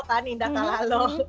kan indah kalalo